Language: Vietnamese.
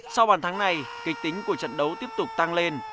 sau bàn thắng này kịch tính của trận đấu tiếp tục tăng lên